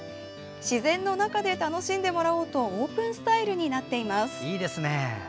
自然の中で楽しんでもらおうとオープンスタイルになっています。